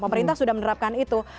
pemerintah sudah menerapkan itu